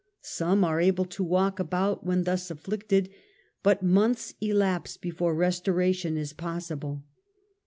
Some are able to walk about when thus afflicted ^ but months elapse before restoration is possible.